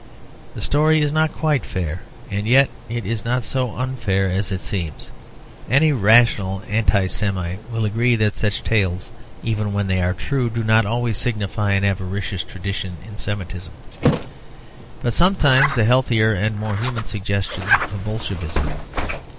The story is not quite fair; and yet it is not so unfair as it seems. Any rational Anti Semite will agree that such tales, even when they are true, do not always signify an avaricious tradition in Semitism, but sometimes the healthier and more human suggestion of Bolshevism.